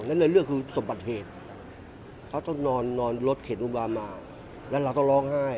นั่นเลยเรื่องคือสมบัติเหตุเขาต้องนอนรถเข็นอุบามาแล้วเราก็ร้องไห้